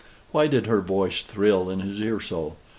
Why did her voice thrill in his ear so?